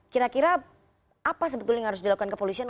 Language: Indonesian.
kira kira apa sebetulnya yang harus dilakukan kepolisian